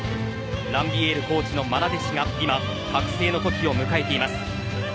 ランビエールコーチのまな弟子が今覚せいのときを迎えています。